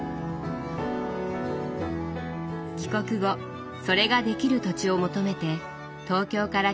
帰国後それができる土地を求めて東京から千葉に移住しました。